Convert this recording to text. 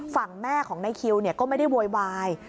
ฝั่งแม่ของนายคิวก็ไม่ได้โวยวาย